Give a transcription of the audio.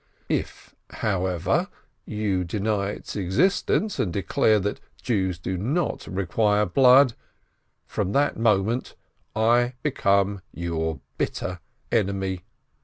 "If, however, you deny its existence, and declare that Jews do not require blood, from that moment I become your bitter enemy.